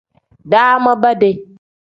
Daama bedi.